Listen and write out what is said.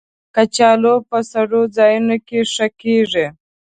کچالو په سړو ځایونو کې ښه کېږي